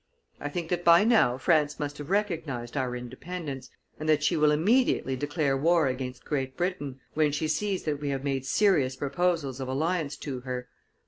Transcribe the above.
I think that by now France must have recognized our independence, and that she will immediately declare war against Great Britain, when she sees that we have made serious proposals of alliance to her.